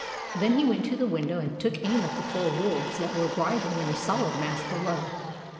Then he went to the window and took aim at the four wolves that were writhing in a solid mass below.